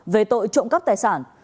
về tội trộm cấp tài sản